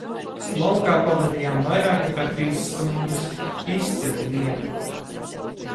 Laukā pavadījām vairāk nekā trīs stundas. Izcila diena!